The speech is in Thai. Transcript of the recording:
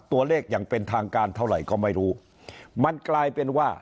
อย่างเป็นทางการเท่าไหร่ก็ไม่รู้มันกลายเป็นว่า